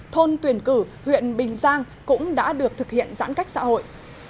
thôn tuyển cử huyện bình giang cũng đã được thực hiện giãn cách xã hội